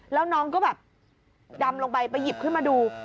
แล้วน้องก็แบบดำลงไปไปหยิบขึ้นมาดู